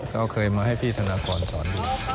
ก็เคยมาให้พี่ธนากรสอน